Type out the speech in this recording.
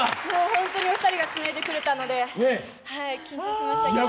本当にお二人がつないでくれたので緊張しましたけれども。